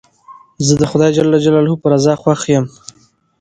زه د خدای جل جلاله په رضا خوښ یم.